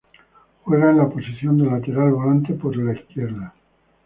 Juega en la posición de lateral volante por izquierda.